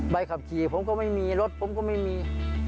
ใบขับขี่ผมก็ไม่มีรถผมก็ไม่มี